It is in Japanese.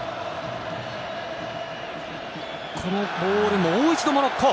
このボール、もう一度モロッコ！